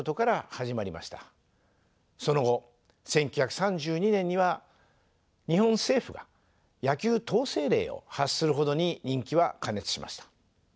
その後１９３２年には日本政府が野球統制令を発するほどに人気は過熱しました。